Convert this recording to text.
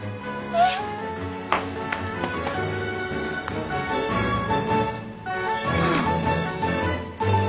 えっ。はあ。